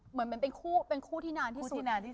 เหมือนเป็นคู่ที่นานที่สุด